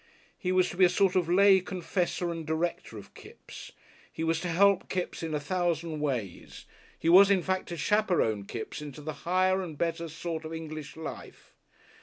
He was to be a sort of lay confessor and director of Kipps, he was to help Kipps in a thousand ways, he was in fact to chaperon Kipps into the higher and better sort of English life.